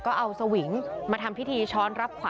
ก็เอาสวิงมาทำพิธีชอบเวลาที่นี่นะครับ